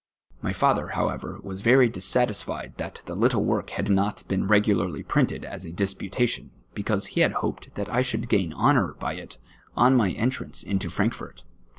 My father, however, was very dissatisfied tliat the little work had not been re<^larly printed as a disputati<m^ because he had hoped that I should <j;aiii honour by it on my entrance into Frankfort.